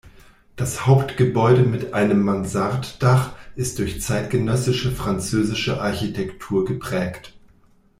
Das Hauptgebäude mit einem Mansarddach ist durch zeitgenössische französische Architektur geprägt.